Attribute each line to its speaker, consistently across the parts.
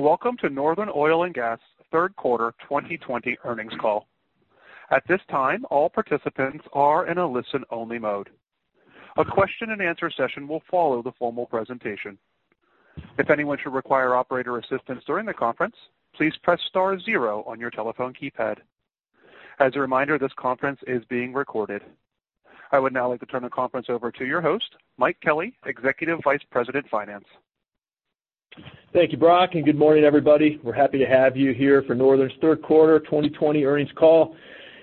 Speaker 1: Greetings, welcome to Northern Oil and Gas third quarter 2020 earnings call. At this time, all participants are in a listen-only mode. A question-and-answer session will follow the formal presentation. If anyone should require operator assistance during the conference, please press star zero on your telephone keypad. As a reminder, this conference is being recorded. I would now like to turn the conference over to your host, Mike Kelly, Executive Vice President of Finance.
Speaker 2: Thank you, Brock. Good morning, everybody. We're happy to have you here for Northern's third quarter 2020 earnings call.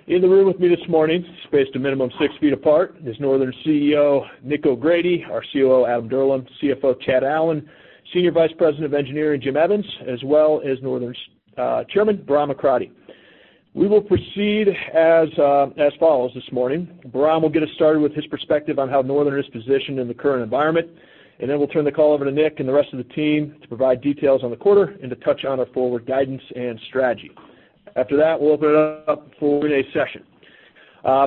Speaker 2: In the room with me this morning, spaced a minimum six feet apart, is Northern's CEO, Nick O'Grady, our COO, Adam Dirlam, CFO, Chad Allen, Senior Vice President of Engineering, Jim Evans, as well as Northern's Chairman, Bram Akradi. We will proceed as follows this morning. Bahram will get us started with his perspective on how Northern is positioned in the current environment, then we'll turn the call over to Nick and the rest of the team to provide details on the quarter and to touch on our forward guidance and strategy. After that, we'll open it up for a Q&A session.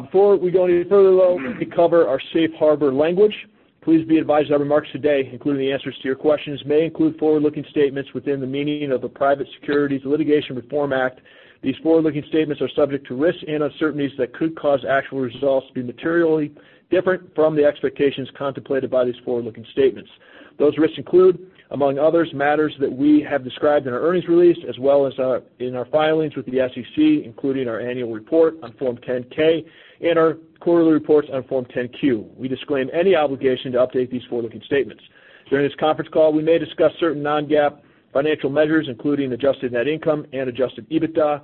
Speaker 2: Before we go any further, though, we cover our safe harbor language. Please be advised our remarks today, including the answers to your questions, may include forward-looking statements within the meaning of the Private Securities Litigation Reform Act. These forward-looking statements are subject to risks and uncertainties that could cause actual results to be materially different from the expectations contemplated by these forward-looking statements. Those risks include, among others, matters that we have described in our earnings release, as well as in our filings with the SEC, including our annual report on Form 10-K and our quarterly reports on Form 10-Q. We disclaim any obligation to update these forward-looking statements. During this conference call, we may discuss certain non-GAAP financial measures, including adjusted net income and adjusted EBITDA.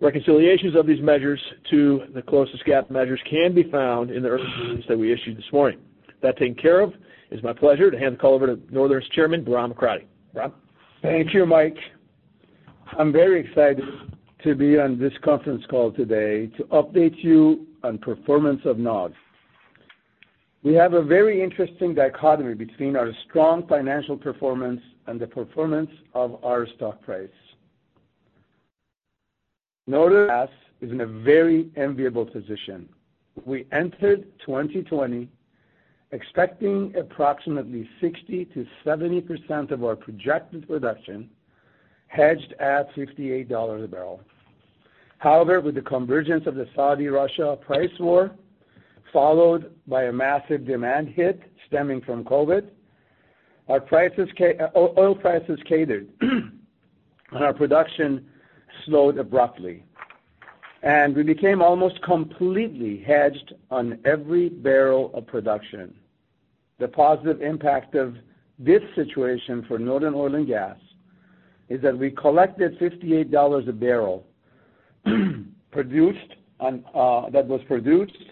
Speaker 2: Reconciliations of these measures to the closest GAAP measures can be found in the earnings release that we issued this morning. That taken care of, it's my pleasure to hand the call over to Northern's Chairman, Bahram Akradi. Bahram?
Speaker 3: Thank you, Mike. I'm very excited to be on this conference call today to update you on performance of NOG. We have a very interesting dichotomy between our strong financial performance and the performance of our stock price. Northern Gas is in a very enviable position. We entered 2020 expecting approximately 60%-70% of our projected production hedged at $68 a barrel. With the convergence of the Saudi/Russia price war, followed by a massive demand hit stemming from COVID, oil prices cratered and our production slowed abruptly, and we became almost completely hedged on every barrel of production. The positive impact of this situation for Northern Oil and Gas is that we collected $58 a barrel that was produced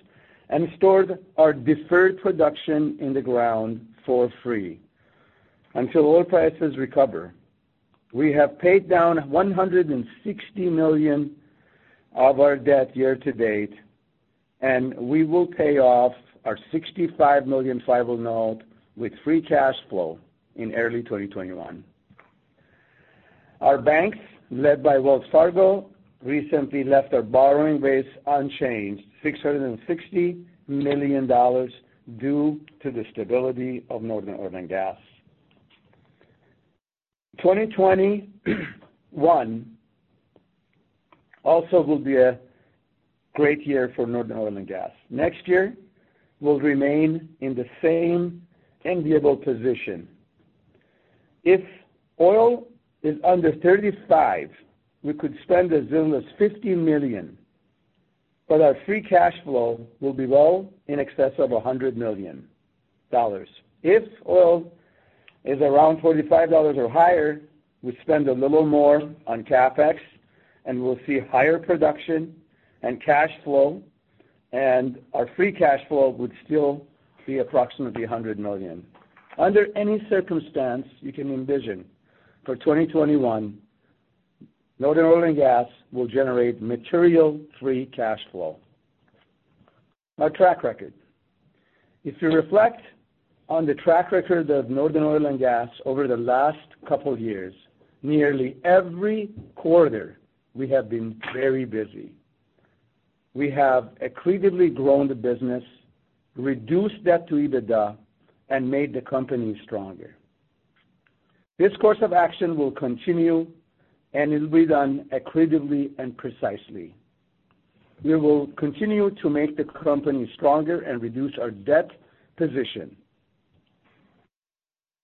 Speaker 3: and stored our deferred production in the ground for free until oil prices recover. We have paid down $160 million of our debt year to date, and we will pay off our $65 million 5-Well Note with free cash flow in early 2021. Our banks, led by Wells Fargo, recently left our borrowing base unchanged, $660 million, due to the stability of Northern Oil and Gas. 2021 also will be a great year for Northern Oil and Gas. Next year, we'll remain in the same enviable position. If oil is under 35, we could spend as little as $50 million, but our free cash flow will be well in excess of $100 million. If oil is around $45 or higher, we spend a little more on CapEx, and we'll see higher production and cash flow, and our free cash flow would still be approximately $100 million. Under any circumstance you can envision for 2021, Northern Oil and Gas will generate material free cash flow. Our track record. If you reflect on the track record of Northern Oil and Gas over the last couple years, nearly every quarter we have been very busy. We have accretively grown the business, reduced debt to EBITDA, and made the company stronger. This course of action will continue, it will be done accretively and precisely. We will continue to make the company stronger and reduce our debt position.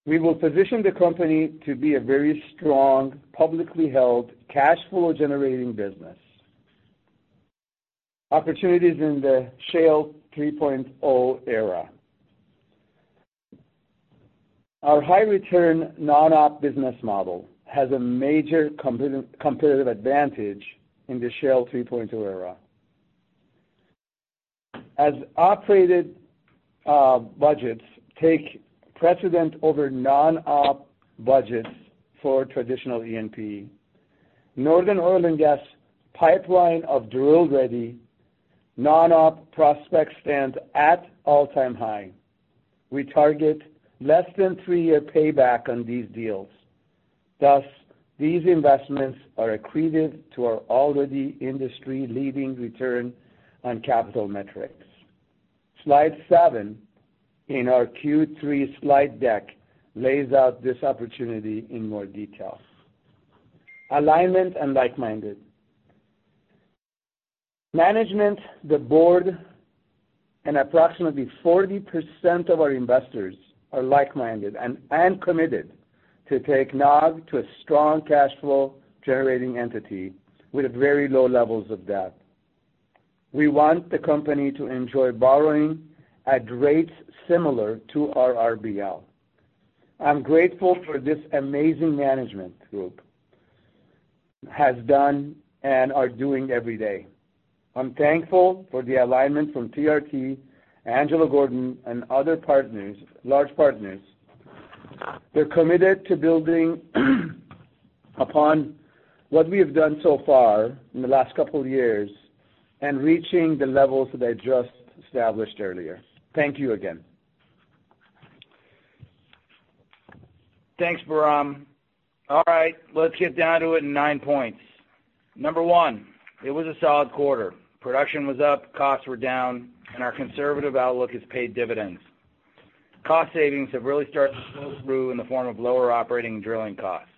Speaker 3: We will position the company to be a very strong, publicly held, cash flow-generating business. Opportunities in the Shale 3.0 era. Our high-return non-op business model has a major competitive advantage in the Shale 3.0 era. As operated budgets take precedent over non-op budgets for traditional E&P, Northern Oil and Gas' pipeline of drill ready non-op prospects stand at all-time high. We target less than three-year payback on these deals. These investments are accretive to our already industry-leading return on capital metrics. Slide 7 in our Q3 slide deck lays out this opportunity in more detail. Alignment and like-minded Management, the board, and approximately 40% of our investors are like-minded and committed to take NOG to a strong cash flow generating entity with very low levels of debt. We want the company to enjoy borrowing at rates similar to our RBL. I'm grateful for what this amazing management group has done and are doing every day. I'm thankful for the alignment from TRT, Angelo Gordon, and other large partners. They're committed to building upon what we have done so far in the last couple of years and reaching the levels that I just established earlier. Thank you again.
Speaker 4: Thanks, Bahram. Let's get down to it in nine points. Number 1, it was a solid quarter. Production was up, costs were down, and our conservative outlook has paid dividends. Cost savings have really started to flow through in the form of lower operating and drilling costs.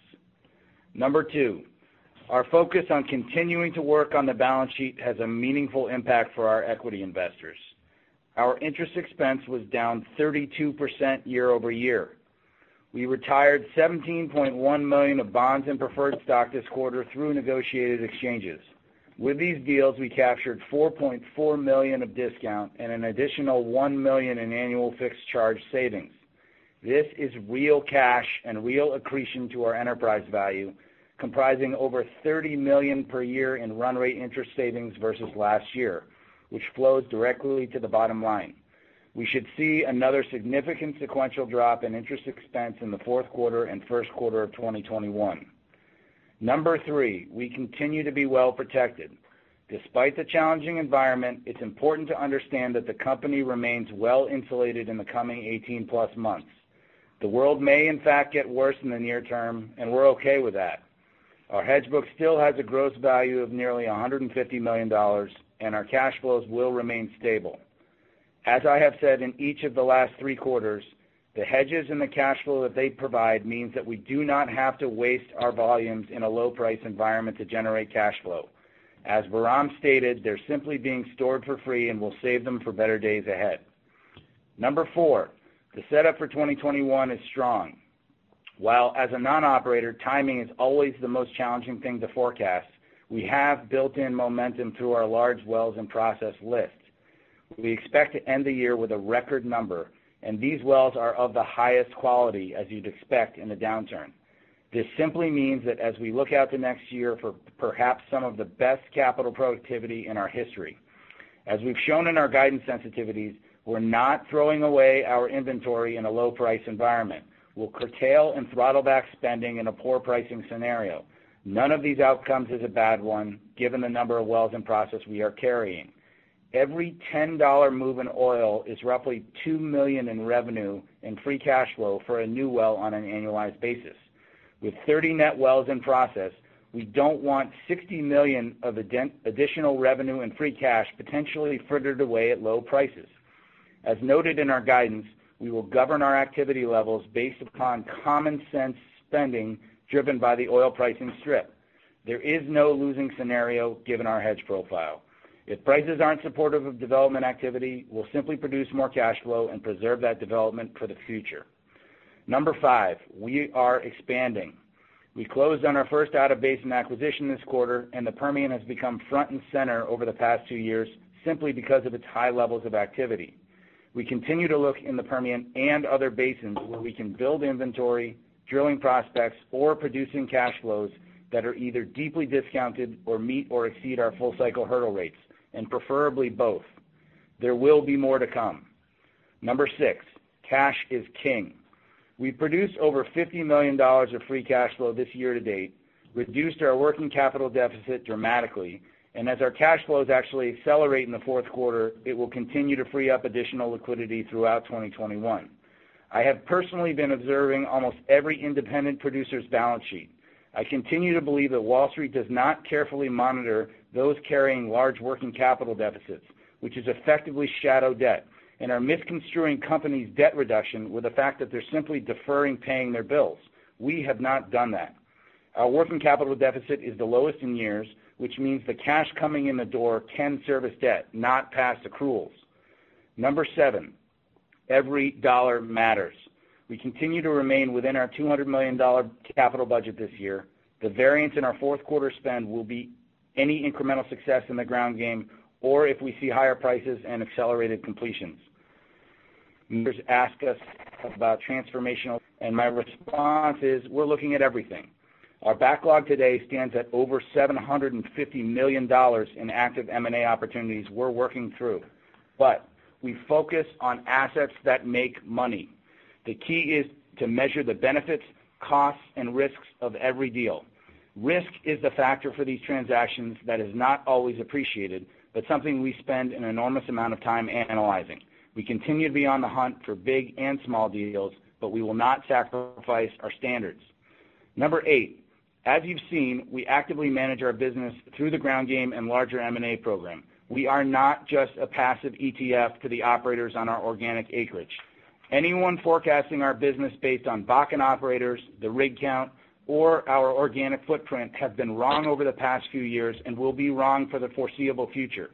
Speaker 4: Number 2, our focus on continuing to work on the balance sheet has a meaningful impact for our equity investors. Our interest expense was down 32% year-over-year. We retired $17.1 million of bonds and preferred stock this quarter through negotiated exchanges. With these deals, we captured $4.4 million of discount and an additional $1 million in annual fixed charge savings. This is real cash and real accretion to our enterprise value, comprising over $30 million per year in run rate interest savings versus last year, which flows directly to the bottom line. We should see another significant sequential drop in interest expense in the fourth quarter and first quarter of 2021. Number 3, we continue to be well protected. Despite the challenging environment, it's important to understand that the company remains well insulated in the coming 18 plus months. The world may in fact get worse in the near term, and we're okay with that. Our hedge book still has a gross value of nearly $150 million, and our cash flows will remain stable. As I have said in each of the last three quarters, the hedges and the cash flow that they provide means that we do not have to waste our volumes in a low-price environment to generate cash flow. As Bahram stated, they're simply being stored for free, and we'll save them for better days ahead. Number 4, the setup for 2021 is strong. While as a non-operator, timing is always the most challenging thing to forecast, we have built in momentum through our large wells and process list. We expect to end the year with a record number, and these wells are of the highest quality as you'd expect in a downturn. This simply means that as we look out to next year for perhaps some of the best capital productivity in our history. As we've shown in our guidance sensitivities, we're not throwing away our inventory in a low-price environment. We'll curtail and throttle back spending in a poor pricing scenario. None of these outcomes is a bad one, given the number of wells in process we are carrying. Every $10 move in oil is roughly $2 million in revenue and free cash flow for a new well on an annualized basis. With 30 net wells in process, we don't want $60 million of additional revenue and free cash potentially frittered away at low prices. As noted in our guidance, we will govern our activity levels based upon common sense spending driven by the oil pricing strip. There is no losing scenario given our hedge profile. If prices aren't supportive of development activity, we'll simply produce more cash flow and preserve that development for the future. Number 5, we are expanding. We closed on our first out-of-basin acquisition this quarter, and the Permian has become front and center over the past two years simply because of its high levels of activity. We continue to look in the Permian and other basins where we can build inventory, drilling prospects, or producing cash flows that are either deeply discounted or meet or exceed our full-cycle hurdle rates, and preferably both. There will be more to come. Number 6, cash is king. We produced over $50 million of free cash flow this year to date, reduced our working capital deficit dramatically, and as our cash flows actually accelerate in the fourth quarter, it will continue to free up additional liquidity throughout 2021. I have personally been observing almost every independent producer's balance sheet. I continue to believe that Wall Street does not carefully monitor those carrying large working capital deficits, which is effectively shadow debt, and are misconstruing companies' debt reduction with the fact that they're simply deferring paying their bills. We have not done that. Our working capital deficit is the lowest in years, which means the cash coming in the door can service debt, not past accruals. Number 7, every dollar matters. We continue to remain within our $200 million capital budget this year. The variance in our fourth quarter spend will be any incremental success in the ground game or if we see higher prices and accelerated completions. Investors ask us about transformational, and my response is we're looking at everything. Our backlog today stands at over $750 million in active M&A opportunities we're working through. We focus on assets that make money. The key is to measure the benefits, costs, and risks of every deal. Risk is the factor for these transactions that is not always appreciated, but something we spend an enormous amount of time analyzing. We continue to be on the hunt for big and small deals, but we will not sacrifice our standards. Number 8, as you've seen, we actively manage our business through the ground game and larger M&A program. We are not just a passive ETF to the operators on our organic acreage. Anyone forecasting our business based on Bakken operators, the rig count, or our organic footprint has been wrong over the past few years and will be wrong for the foreseeable future.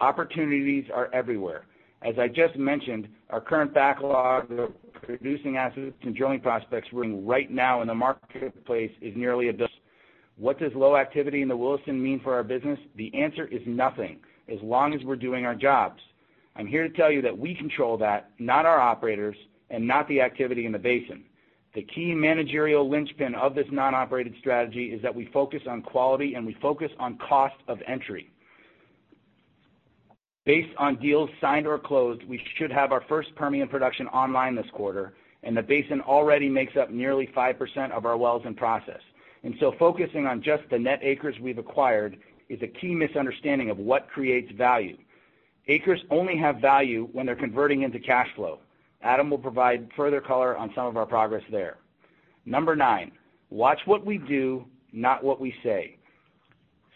Speaker 4: Opportunities are everywhere. As I just mentioned, our current backlog of producing assets and drilling prospects running right now in the marketplace is nearly. What does low activity in the Williston mean for our business? The answer is nothing, as long as we're doing our jobs. I'm here to tell you that we control that, not our operators, and not the activity in the basin. The key managerial linchpin of this non-operated strategy is that we focus on quality and we focus on cost of entry. Based on deals signed or closed, we should have our first Permian production online this quarter, and the basin already makes up nearly 5% of our wells in process. Focusing on just the net acres we've acquired is a key misunderstanding of what creates value. Acres only have value when they're converting into cash flow. Adam will provide further color on some of our progress there. Number 9, watch what we do, not what we say.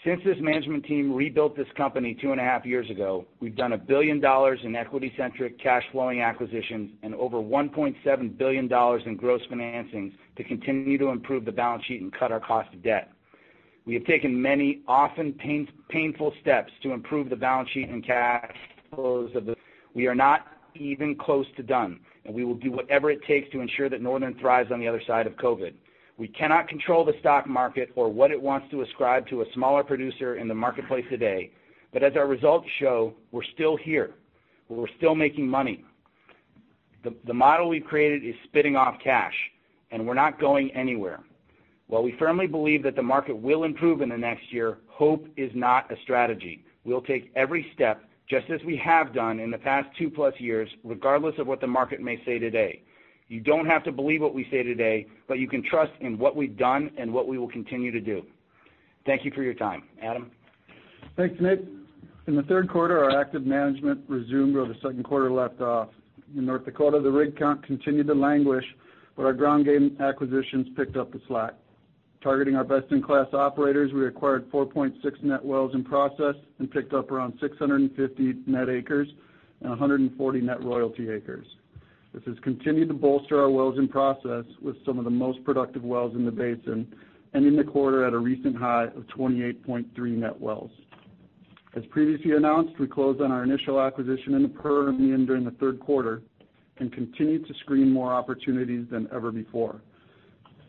Speaker 4: Since this management team rebuilt this company two and a half years ago, we've done $1 billion in equity-centric cash flowing acquisitions and over $1.7 billion in gross financing to continue to improve the balance sheet and cut our cost of debt. We have taken many, often painful steps to improve the balance sheet and cash flows. We are not even close to done, and we will do whatever it takes to ensure that Northern thrives on the other side of COVID. We cannot control the stock market or what it wants to ascribe to a smaller producer in the marketplace today. As our results show, we're still here. We're still making money. The model we've created is spitting off cash, and we're not going anywhere. While we firmly believe that the market will improve in the next year, hope is not a strategy. We'll take every step, just as we have done in the past two-plus years, regardless of what the market may say today. You don't have to believe what we say today, but you can trust in what we've done and what we will continue to do. Thank you for your time. Adam?
Speaker 5: Thanks, Nick. In the third quarter, our active management resumed where the second quarter left off. In North Dakota, the rig count continued to languish. Our ground game acquisitions picked up the slack. Targeting our best-in-class operators, we acquired 4.6 net wells in process and picked up around 650 net acres and 140 net royalty acres. This has continued to bolster our wells in process with some of the most productive wells in the basin and in the quarter at a recent high of 28.3 net wells. As previously announced, we closed on our initial acquisition in the Permian during the third quarter. We continue to screen more opportunities than ever before.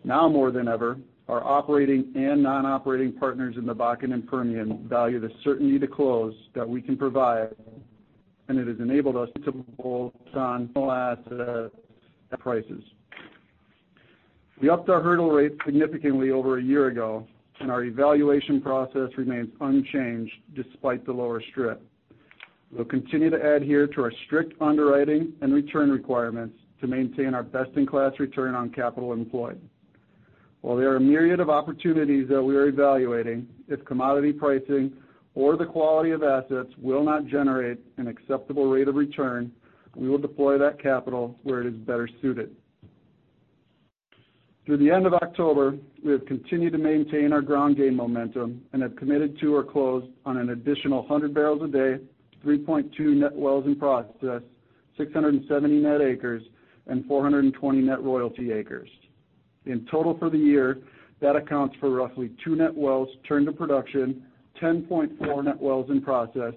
Speaker 5: Now more than ever, our operating and non-operating partners in the Bakken and Permian value the certainty to close that we can provide. It has enabled us to on prices. We upped our hurdle rates significantly over a year ago, and our evaluation process remains unchanged despite the lower strip. We'll continue to adhere to our strict underwriting and return requirements to maintain our best-in-class return on capital employed. While there are a myriad of opportunities that we are evaluating, if commodity pricing or the quality of assets will not generate an acceptable rate of return, we will deploy that capital where it is better suited. Through the end of October, we have continued to maintain our ground game momentum and have committed to or closed on an additional 100 barrels a day, 3.2 net wells in process, 670 net acres, and 420 net royalty acres. In total for the year, that accounts for roughly two net wells turned to production, 10.4 net wells in process,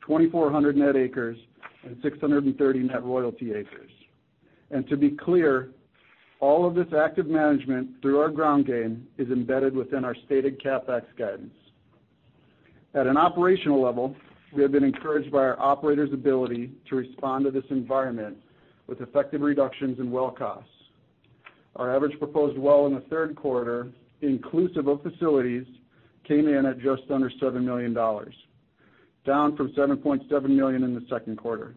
Speaker 5: 2,400 net acres, and 630 net royalty acres. To be clear, all of this active management through our ground game is embedded within our stated CapEx guidance. At an operational level, we have been encouraged by our operators' ability to respond to this environment with effective reductions in well costs. Our average proposed well in the third quarter, inclusive of facilities, came in at just under $7 million, down from $7.7 million in the second quarter.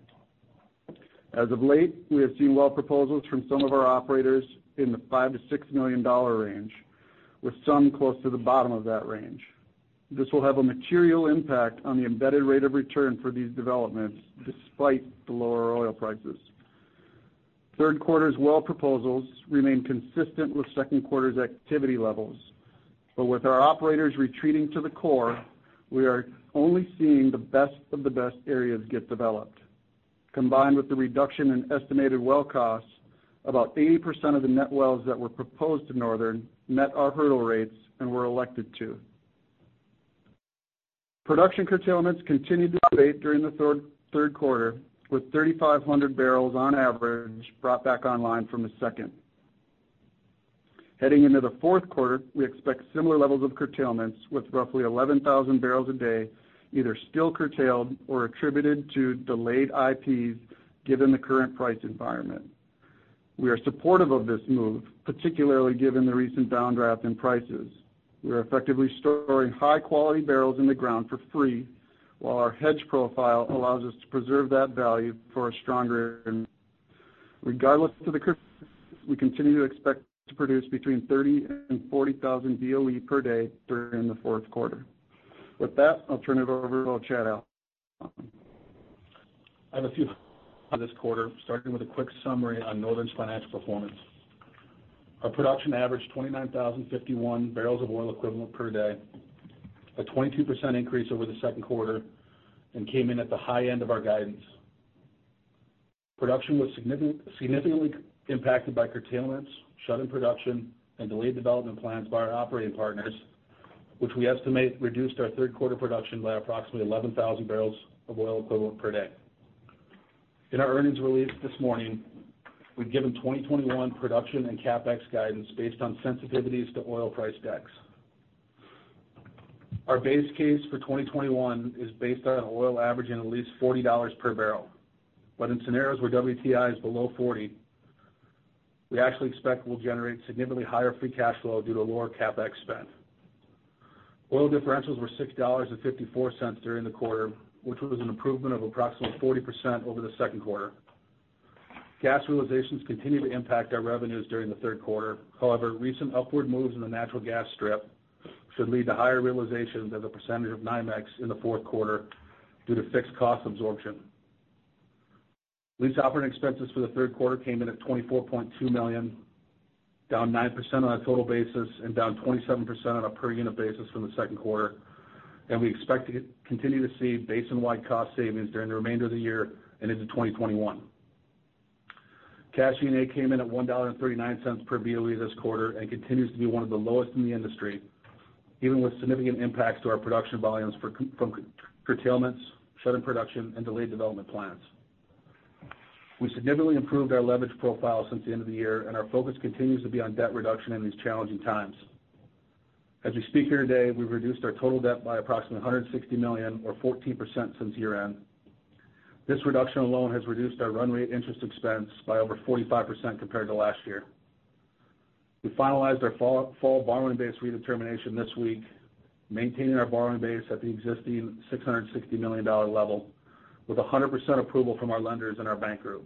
Speaker 5: As of late, we have seen well proposals from some of our operators in the $5 million-$6 million range, with some close to the bottom of that range. This will have a material impact on the embedded rate of return for these developments, despite the lower oil prices. Third quarter's well proposals remain consistent with second quarter's activity levels. With our operators retreating to the core, we are only seeing the best of the best areas get developed. Combined with the reduction in estimated well costs, about 80% of the net wells that were proposed to Northern met our hurdle rates and were elected to. Production curtailments continued to during the third quarter, with 3,500 barrels on average brought back online from the second. Heading into the fourth quarter, we expect similar levels of curtailments, with roughly 11,000 barrels a day either still curtailed or attributed to delayed IPs, given the current price environment. We are supportive of this move, particularly given the recent downdraft in prices. We are effectively storing high-quality barrels in the ground for free, while our hedge profile allows us to preserve that value for a stronger. Regardless of the, we continue to expect to produce between 30,000 and 40,000 BOE per day during the fourth quarter. With that, I'll turn it over to Chad Allen.
Speaker 6: I have a few for this quarter, starting with a quick summary on Northern's financial performance. Our production averaged 29,051 barrels of oil equivalent per day, a 22% increase over the second quarter, and came in at the high end of our guidance. Production was significantly impacted by curtailments, shut-in production, and delayed development plans by our operating partners, which we estimate reduced our third quarter production by approximately 11,000 barrels of oil equivalent per day. In our earnings release this morning, we've given 2021 production and CapEx guidance based on sensitivities to oil price decks. Our base case for 2021 is based on oil averaging at least $40 per barrel. In scenarios where WTI is below 40, we actually expect we'll generate significantly higher free cash flow due to lower CapEx spend. Oil differentials were $6.54 during the quarter, which was an improvement of approximately 40% over the second quarter. Gas realizations continued to impact our revenues during the third quarter. However, recent upward moves in the natural gas strip should lead to higher realizations as a percentage of NYMEX in the fourth quarter due to fixed cost absorption. Lease operating expenses for the third quarter came in at $24.2 million, down 9% on a total basis and down 27% on a per-unit basis from the second quarter. We expect to continue to see basin-wide cost savings during the remainder of the year and into 2021. Cash G&A came in at $1.39 per BOE this quarter and continues to be one of the lowest in the industry, even with significant impacts to our production volumes from curtailments, shut-in production, and delayed development plans. We significantly improved our leverage profile since the end of the year, and our focus continues to be on debt reduction in these challenging times. As we speak here today, we've reduced our total debt by approximately $160 million or 14% since year-end. This reduction alone has reduced our run-rate interest expense by over 45% compared to last year. We finalized our fall borrowing base redetermination this week, maintaining our borrowing base at the existing $660 million level with 100% approval from our lenders and our bank group.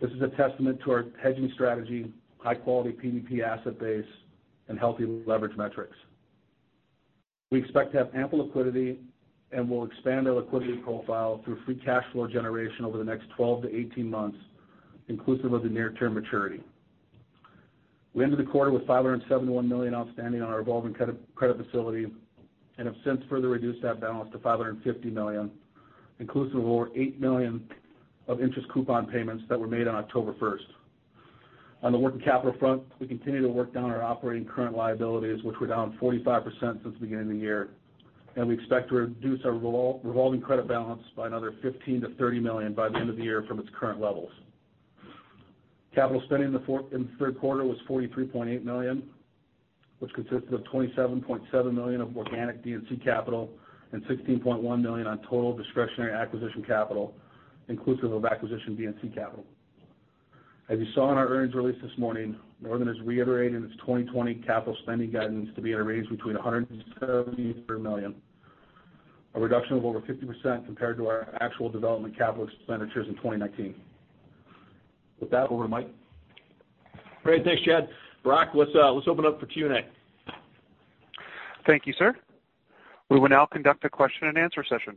Speaker 6: This is a testament to our hedging strategy, high-quality PDP asset base, and healthy leverage metrics. We expect to have ample liquidity, and we'll expand our liquidity profile through free cash flow generation over the next 12 to 18 months, inclusive of the near-term maturity. We ended the quarter with $571 million outstanding on our revolving credit facility and have since further reduced that balance to $550 million, inclusive of over $8 million of interest coupon payments that were made on October 1st. On the working capital front, we continue to work down our operating current liabilities, which were down 45% since the beginning of the year. We expect to reduce our revolving credit balance by another $15 million-$30 million by the end of the year from its current levels. Capital spending in the third quarter was $43.8 million, which consisted of $27.7 million of organic D&C capital and $16.1 million on total discretionary acquisition capital, inclusive of acquisition D&C capital. As you saw in our earnings release this morning, Northern is reiterating its 2020 capital spending guidance to be at a range between $173 million, a reduction of over 50% compared to our actual development capital expenditures in 2019. With that, over to Mike.
Speaker 2: Great. Thanks, Chad. Brock, let's open up for Q&A.
Speaker 1: Thank you, sir. We will now conduct a question-and-answer session.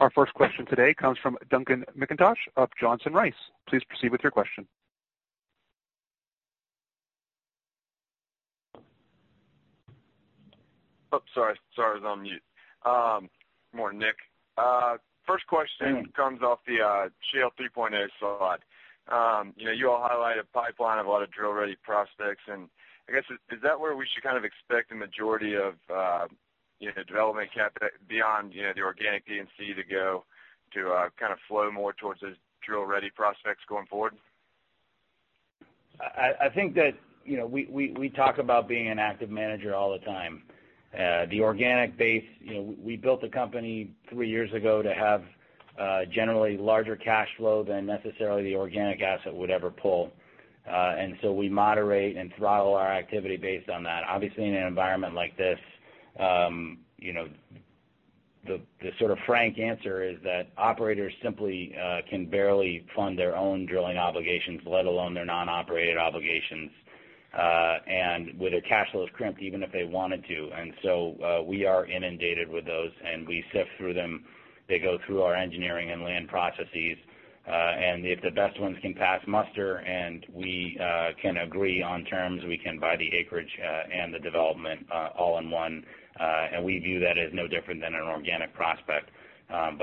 Speaker 1: Our first question today comes from Duncan McIntosh of Johnson Rice. Please proceed with your question.
Speaker 7: Oh, sorry. I was on mute. Good morning, Nick. First question comes off the Shale 3.0 slide. You all highlight a pipeline of a lot of drill-ready prospects, and I guess, is that where we should kind of expect the majority of development CapEx beyond the organic D&C to go to kind of flow more towards those drill-ready prospects going forward?
Speaker 4: I think that we talk about being an active manager all the time. The organic base, we built the company three years ago to have generally larger cash flow than necessarily the organic asset would ever pull. We moderate and throttle our activity based on that. Obviously, in an environment like this, the sort of frank answer is that operators simply can barely fund their own drilling obligations, let alone their non-operated obligations. Their cash flow is crimped even if they wanted to. We are inundated with those, and we sift through them. They go through our engineering and land processes. If the best ones can pass muster and we can agree on terms, we can buy the acreage and the development all in one. We view that as no different than an organic prospect.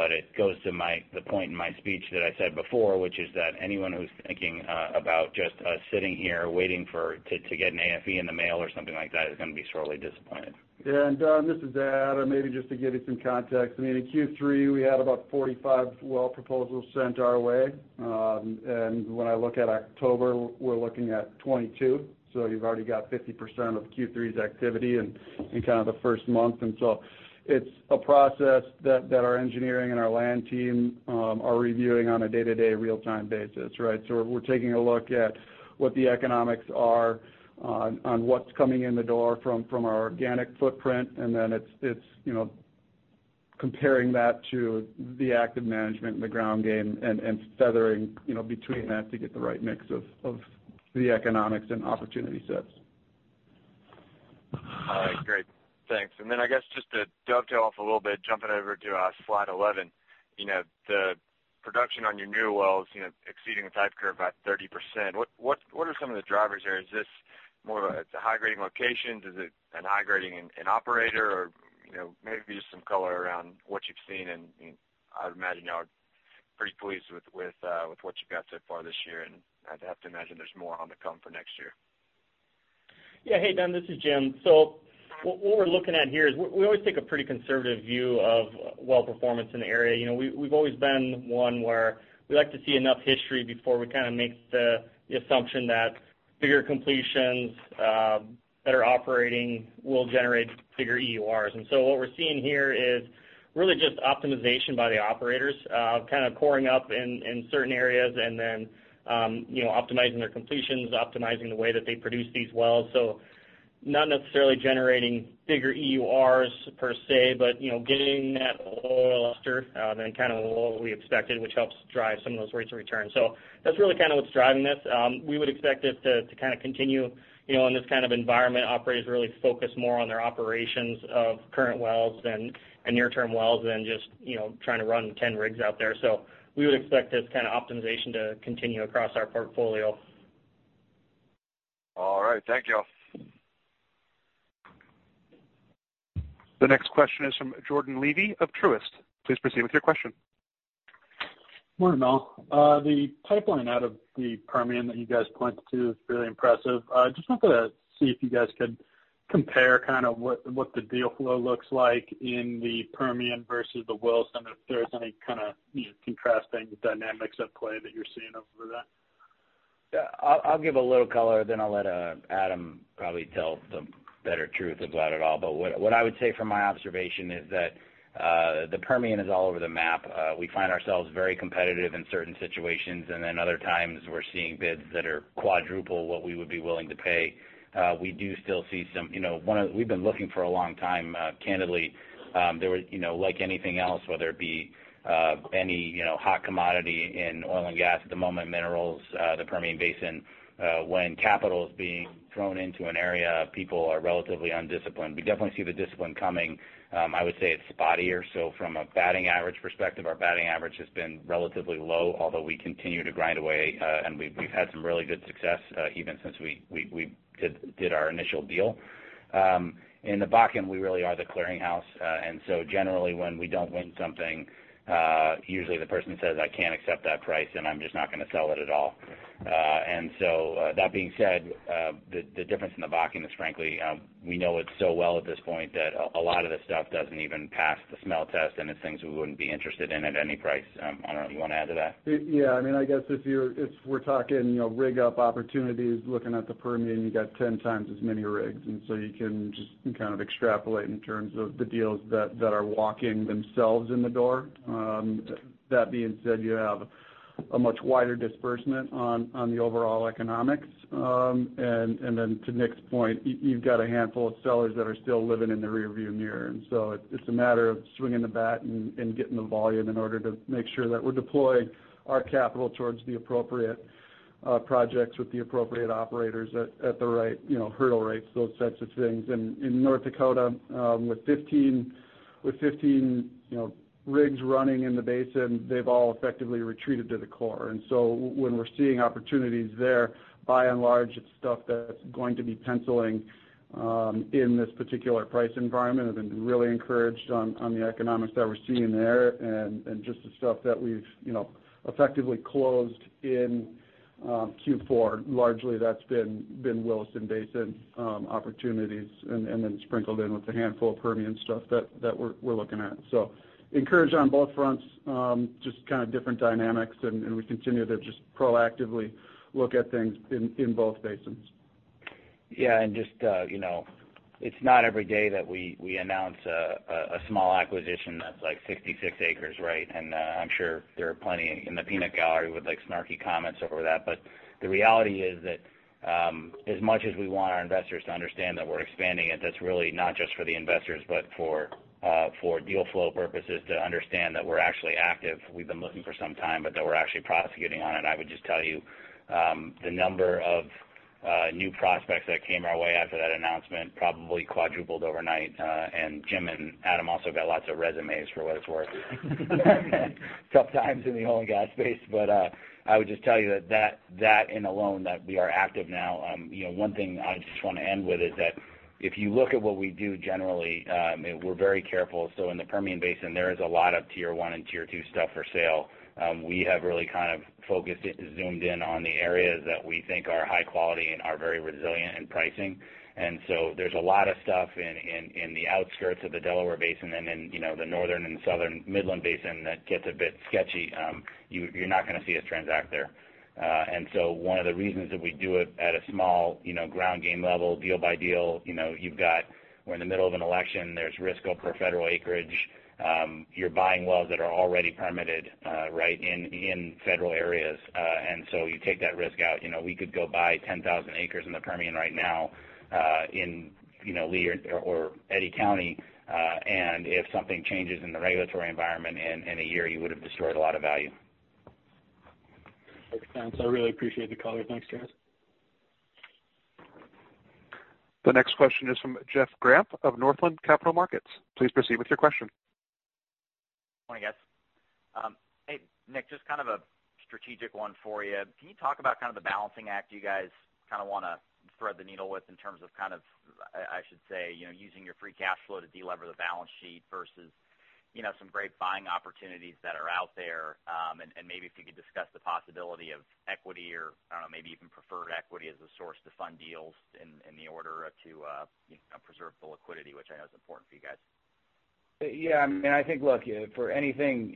Speaker 4: It goes to the point in my speech that I said before, which is that anyone who's thinking about just us sitting here waiting to get an AFE in the mail or something like that is going to be sorely disappointed.
Speaker 5: This is Adam. Maybe just to give you some context, I mean, in Q3, we had about 45 well proposals sent our way. When I look at October, we're looking at 22. You've already got 50% of Q3's activity in kind of the first month. It's a process that our engineering and our land team are reviewing on a day-to-day real-time basis, right? We're taking a look at what the economics are on what's coming in the door from our organic footprint. comparing that to the active management and the ground game and feathering between that to get the right mix of the economics and opportunity sets.
Speaker 7: All right, great. Thanks. I guess just to dovetail off a little bit, jumping over to Slide 11. The production on your new wells exceeding the type curve by 30%. What are some of the drivers there? Is this more of a high-grading locations? Is it an high-grading in operator? Maybe just some color around what you've seen, and I would imagine you all are pretty pleased with what you've got so far this year. I'd have to imagine there's more on the come for next year.
Speaker 8: Hey, Duncan, this is Jim. What we're looking at here is we always take a pretty conservative view of well performance in the area. We've always been one where we like to see enough history before we make the assumption that bigger completions, better operating will generate bigger EURs. What we're seeing here is really just optimization by the operators, kind of coring up in certain areas and then optimizing their completions, optimizing the way that they produce these wells. Not necessarily generating bigger EURs per se, but getting that oil faster than kind of what we expected, which helps drive some of those rates of return. That's really what's driving this. We would expect this to continue in this kind of environment. Operators really focus more on their operations of current wells and near-term wells than just trying to run 10 rigs out there. We would expect this kind of optimization to continue across our portfolio.
Speaker 7: All right. Thank you.
Speaker 1: The next question is from Jordan Levy of Truist. Please proceed with your question.
Speaker 9: Morning, all. The pipeline out of the Permian that you guys pointed to is really impressive. Just wanted to see if you guys could compare what the deal flow looks like in the Permian versus the Williston, if there's any contrasting dynamics at play that you're seeing over that.
Speaker 4: Yeah. I'll give a little color. I'll let Adam probably tell the better truth about it all. What I would say from my observation is that the Permian is all over the map. We find ourselves very competitive in certain situations. Other times we're seeing bids that are quadruple what we would be willing to pay. We've been looking for a long time. Candidly like anything else, whether it be any hot commodity in oil and gas at the moment, minerals, the Permian Basin, when capital is being thrown into an area, people are relatively undisciplined. We definitely see the discipline coming. I would say it's spottier. From a batting average perspective, our batting average has been relatively low, although we continue to grind away. We've had some really good success, even since we did our initial deal. In the Bakken, we really are the clearing house. Generally when we don't win something, usually the person says, "I can't accept that price, and I'm just not going to sell it at all." That being said, the difference in the Bakken is frankly we know it so well at this point that a lot of the stuff doesn't even pass the smell test, and it's things we wouldn't be interested in at any price. I don't know, you want to add to that?
Speaker 5: Yeah. I guess if we're talking rig up opportunities, looking at the Permian, you got 10 times as many rigs, so you can just kind of extrapolate in terms of the deals that are walking themselves in the door. That being said, you have a much wider disbursement on the overall economics. Then to Nick's point, you've got a handful of sellers that are still living in the rear-view mirror. So, it's a matter of swinging the bat and getting the volume in order to make sure that we're deploying our capital towards the appropriate projects with the appropriate operators at the right hurdle rates, those types of things. In North Dakota, with 15 rigs running in the basin, they've all effectively retreated to the core. When we're seeing opportunities there, by and large, it's stuff that's going to be penciling in this particular price environment and been really encouraged on the economics that we're seeing there and just the stuff that we've effectively closed in Q4. Largely that's been Williston Basin opportunities, and then sprinkled in with a handful of Permian stuff that we're looking at. Encouraged on both fronts, just kind of different dynamics, and we continue to just proactively look at things in both basins.
Speaker 4: Yeah, it's not every day that we announce a small acquisition that's like 66 acres, right? I'm sure there are plenty in the peanut gallery with snarky comments over that. The reality is that, as much as we want our investors to understand that we're expanding it, that's really not just for the investors, but for deal flow purposes to understand that we're actually active. We've been looking for some time, but that we're actually prosecuting on it. I would just tell you, the number of new prospects that came our way after that announcement probably quadrupled overnight. Jim and Adam also got lots of resumes for what it's worth. Tough times in the oil and gas space. I would just tell you that in alone, that we are active now. One thing I just want to end with is that if you look at what we do generally, we're very careful. In the Permian Basin, there is a lot of Tier 1 and Tier 2 stuff for sale. We have really kind of zoomed in on the areas that we think are high quality and are very resilient in pricing. There's a lot of stuff in the outskirts of the Delaware Basin and in the Northern and Southern Midland Basin that gets a bit sketchy. You're not going to see us transact there. One of the reasons that we do it at a small ground game level, deal by deal, we're in the middle of an election, there's risk over federal acreage. You're buying wells that are already permitted right in federal areas. You take that risk out. We could go buy 10,000 acres in the Permian right now in Lea or Eddy County, and if something changes in the regulatory environment in a year, you would have destroyed a lot of value.
Speaker 9: I really appreciate the color. Thanks, guys.
Speaker 1: The next question is from Jeff Grampp of Northland Capital Markets. Please proceed with your question.
Speaker 10: Morning, guys. Hey, Nick, just kind of a strategic one for you. Can you talk about the balancing act you guys want to thread the needle with in terms of, I should say, using your free cash flow to delever the balance sheet versus some great buying opportunities that are out there. Maybe if you could discuss the possibility of equity or, I don't know, maybe even preferred equity as a source to fund deals in the order to preserve the liquidity, which I know is important for you guys.
Speaker 4: Yeah. I think, look, for anything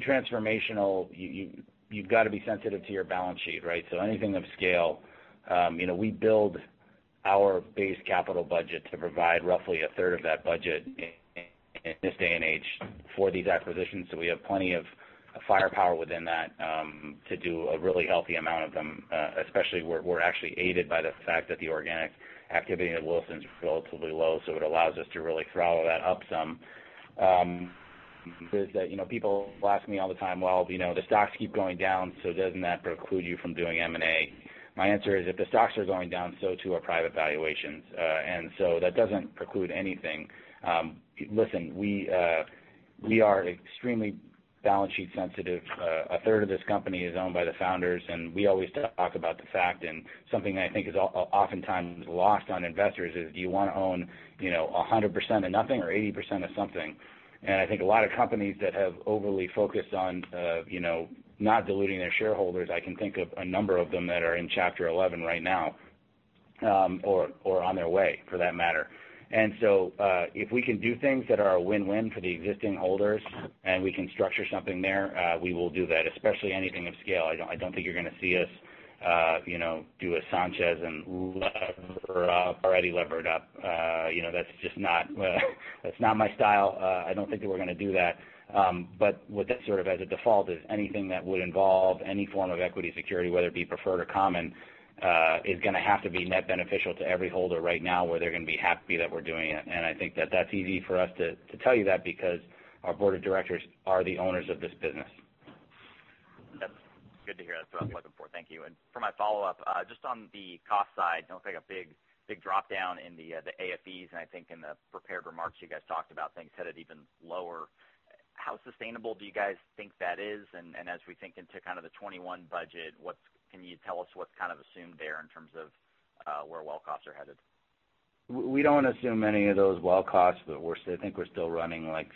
Speaker 4: transformational, you've got to be sensitive to your balance sheet, right? Anything of scale. We build our base capital budget to provide roughly a third of that budget in this day and age for these acquisitions. We have plenty of firepower within that to do a really healthy amount of them. Especially, we're actually aided by the fact that the organic activity at Williston is relatively low, so it allows us to really throttle that up some. People ask me all the time, "Well, the stocks keep going down, so doesn't that preclude you from doing M&A?" My answer is, if the stocks are going down, so too are private valuations. That doesn't preclude anything. Listen, we are extremely balance sheet sensitive. A third of this company is owned by the founders, and we always talk about the fact, and something that I think is oftentimes lost on investors is, do you want to own 100% of nothing or 80% of something? I think a lot of companies that have overly focused on not diluting their shareholders, I can think of a number of them that are in Chapter 11 right now or on their way, for that matter. If we can do things that are a win-win for the existing holders and we can structure something there, we will do that, especially anything of scale. I don't think you're going to see us do a Sanchez and lever up. Already levered up. That's not my style. I don't think that we're going to do that. With that sort of as a default is anything that would involve any form of equity security, whether it be preferred or common, is going to have to be net beneficial to every holder right now, where they're going to be happy that we're doing it. I think that that's easy for us to tell you that because our board of directors are the owners of this business.
Speaker 10: That's good to hear. That's what I was looking for. Thank you. For my follow-up, just on the cost side, it looks like a big drop-down in the AFEs, and I think in the prepared remarks, you guys talked about things headed even lower. How sustainable do you guys think that is? As we think into kind of the 2021 budget, can you tell us what's kind of assumed there in terms of where well costs are headed?
Speaker 4: We don't assume any of those well costs. I think we're still running, like,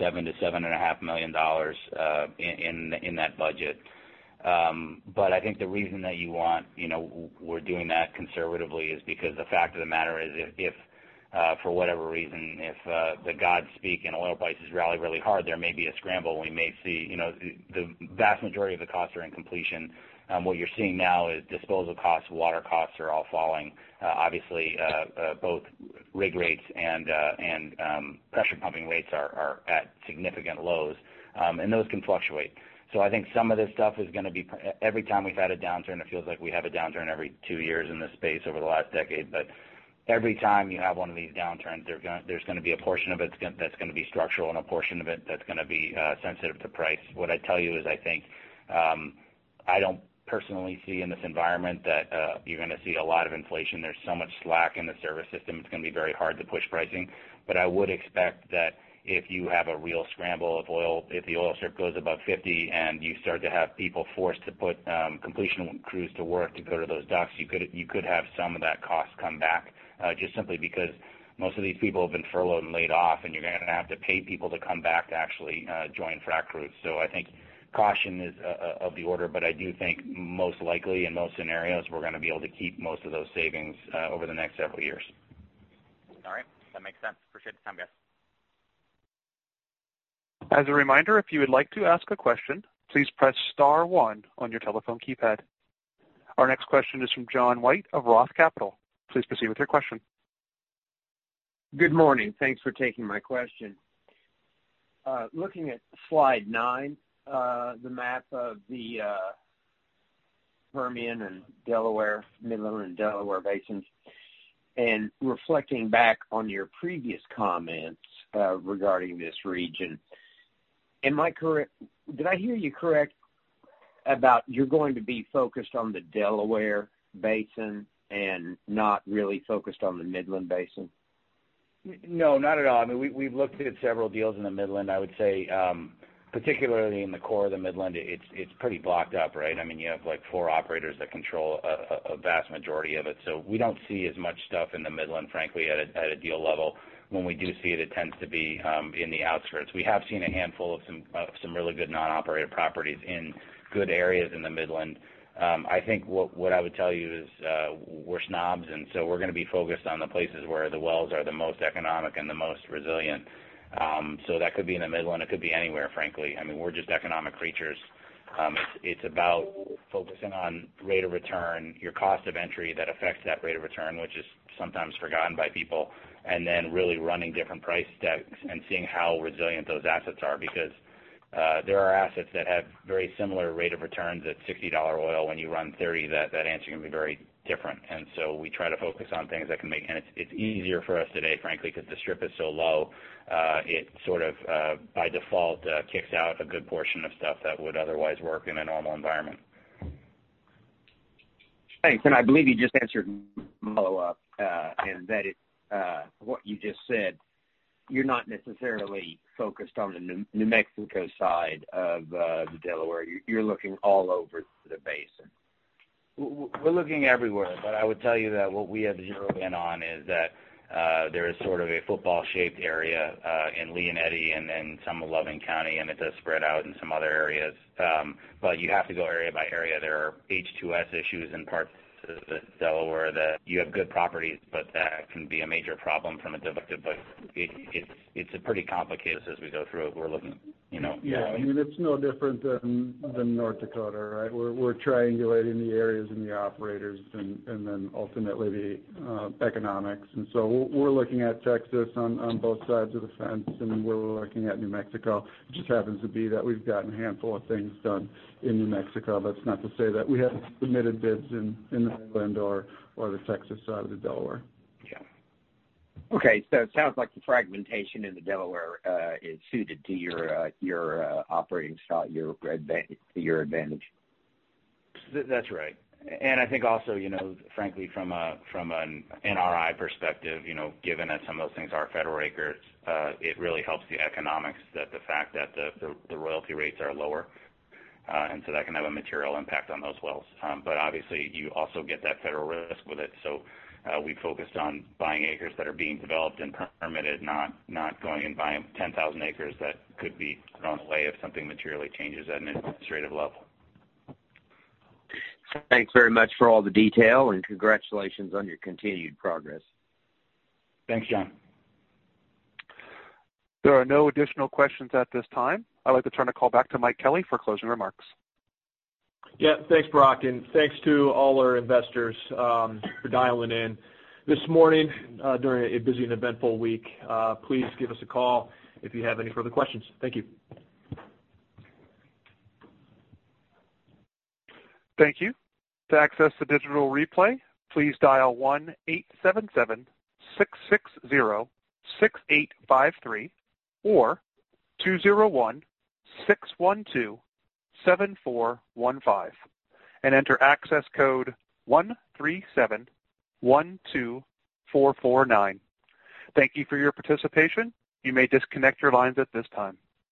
Speaker 4: $7 million-$7.5 million in that budget. I think the reason that we're doing that conservatively is because the fact of the matter is, if for whatever reason, if the gods speak and oil prices rally really hard, there may be a scramble. The vast majority of the costs are in completion. What you're seeing now is disposal costs, water costs are all falling. Obviously, both rig rates and pressure pumping rates are at significant lows. Those can fluctuate. I think some of this stuff is going to be every time we've had a downturn, it feels like we have a downturn every two years in this space over the last decade. Every time you have one of these downturns, there's going to be a portion of it that's going to be structural and a portion of it that's going to be sensitive to price. What I'd tell you is I think, I don't personally see in this environment that you're going to see a lot of inflation. There's so much slack in the service system, it's going to be very hard to push pricing. I would expect that if you have a real scramble of oil, if the oil strip goes above 50 and you start to have people forced to put completion crews to work to go to those docks, you could have some of that cost come back, just simply because most of these people have been furloughed and laid off, and you're going to have to pay people to come back to actually join frac crews. I think caution is of the order, but I do think most likely in most scenarios, we're going to be able to keep most of those savings over the next several years.
Speaker 10: All right. That makes sense. Appreciate the time, guys.
Speaker 1: As a reminder, if you would like to ask a question, please press star one on your telephone keypad. Our next question is from John White of Roth Capital. Please proceed with your question.
Speaker 11: Good morning. Thanks for taking my question. Looking at Slide 9, the map of the Permian and Delaware, Midland and Delaware Basins, and reflecting back on your previous comments regarding this region, did I hear you correct about you're going to be focused on the Delaware Basin and not really focused on the Midland Basin?
Speaker 4: No, not at all. I mean, we've looked at several deals in the Midland. I would say, particularly in the core of the Midland, it's pretty blocked up, right? I mean, you have, like, four operators that control a vast majority of it. We don't see as much stuff in the Midland, frankly, at a deal level. When we do see it tends to be in the outskirts. We have seen a handful of some really good non-operated properties in good areas in the Midland. I think what I would tell you is, we're snobs, and so we're going to be focused on the places where the wells are the most economic and the most resilient. That could be in the Midland, it could be anywhere, frankly. I mean, we're just economic creatures. It's about focusing on rate of return, your cost of entry that affects that rate of return, which is sometimes forgotten by people, and then really running different price decks and seeing how resilient those assets are. There are assets that have very similar rate of returns at $60 oil. When you run $30, that answer can be very different. We try to focus on things. It's easier for us today, frankly, because the strip is so low. It sorts of, by default, kicks out a good portion of stuff that would otherwise work in a normal environment.
Speaker 11: Thanks. I believe you just answered my follow-up, and that is what you just said. You're not necessarily focused on the New Mexico side of the Delaware. You're looking all over the Basin.
Speaker 4: We're looking everywhere, but I would tell you that what we have zeroed in on is that there is sort of a football-shaped area in Lea and Eddy and some of Loving County, and it does spread out in some other areas. You have to go area by area. There are H2S issues in parts of the Delaware that you have good properties, but that can be a major problem from a dilutive. It's pretty complicated as we go through it. We're looking, you know.
Speaker 5: Yeah. I mean, it's no different than North Dakota, right? We're triangulating the areas and the operators and then ultimately the economics. We're looking at Texas on both sides of the fence, and we're looking at New Mexico. It just happens to be that we've gotten a handful of things done in New Mexico. That's not to say that we haven't submitted bids in the Midland or the Texas side of the Delaware.
Speaker 11: Yeah. Okay, it sounds like the fragmentation in the Delaware is suited to your operating style to your advantage.
Speaker 4: That's right. I think also, frankly, from an NRI perspective, given that some of those things are federal acres, it really helps the economics that the fact that the royalty rates are lower. That can have a material impact on those wells. Obviously, you also get that federal risk with it. We focused on buying acres that are being developed and permitted, not going and buying 10,000 acres that could be thrown away if something materially changes at an administrative level.
Speaker 11: Thanks very much for all the detail, and congratulations on your continued progress.
Speaker 4: Thanks, John.
Speaker 1: There are no additional questions at this time. I'd like to turn the call back to Mike Kelly for closing remarks.
Speaker 2: Yeah. Thanks, Brock, and thanks to all our investors for dialing in this morning during a busy and eventful week. Please give us a call if you have any further questions. Thank you.
Speaker 1: Thank you. To access the digital replay, please dial 1-877-660-6853 or 201-612-7415 and enter access code 13712449. Thank you for your participation. You may disconnect your lines at this time.